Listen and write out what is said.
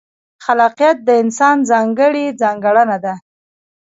خلاقیت د انسان ځانګړې ځانګړنه ده.